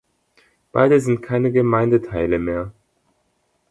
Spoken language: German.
Beide sind keine Gemeindeteile mehr.